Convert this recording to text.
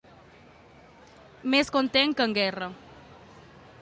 Més content que el Guerra.